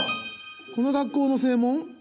この学校の正門？